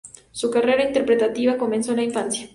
Su carrera interpretativa comenzó en la infancia.